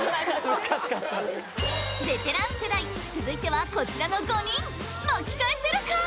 ・難しかったベテラン世代続いてはこちらの５人巻き返せるか？